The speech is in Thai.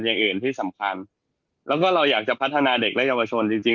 อย่างอื่นที่สำคัญแล้วก็เราอยากจะพัฒนาเด็กและเยาวชนจริงจริง